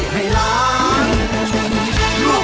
เพลงที่๕มูลค่า๘๐๐๐๐บาท